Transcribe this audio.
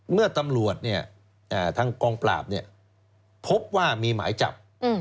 เมื่อตำรวจเนี่ยทางกองปราบพบว่ามีหมายจับ